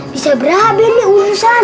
bisa berakhir nih urusan